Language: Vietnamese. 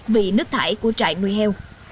vì nứt thải của trại nuôi heo